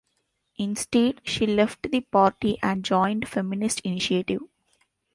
Instead, she left the party and joined Feminist Initiative.